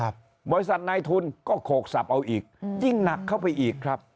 บริษัทนายทุนก็โขกสับเอาอีกยิ่งหนักเข้าไปอีกครับ